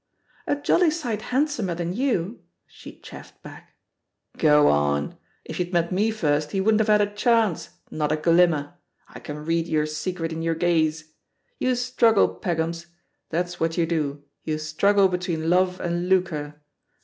"A jolly sight handsomer than you," she chaffed back. "Go on! If you'd met me first, he wouldn't have had a chance, not a glinuner. I can read your secret in your gaze — ^you struggle, Peg gums. That's what you do, you struggle between love and lucre.